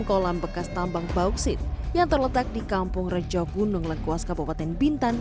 kolam bekas tambang bauksit yang terletak di kampung rejo gunung lengkuas kabupaten bintan